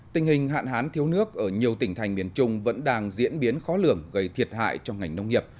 tình hình hạn hán thiếu nước ở nhiều tỉnh thành miền trung vẫn đang diễn biến khó lường gây thiệt hại cho ngành nông nghiệp